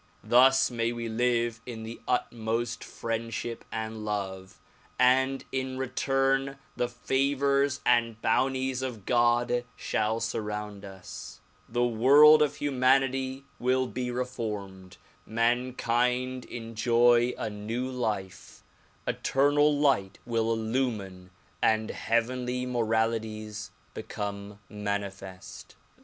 Thus may we live in the utmost friendship and love, and in return the favors and bounties of God shall surround us, the world of humanity will be reformed, mankind enjoy a new life, eternal light will illumine and heavenly moralities become manifest.